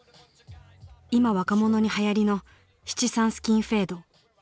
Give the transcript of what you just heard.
今若者にはやりの七三スキンフェード。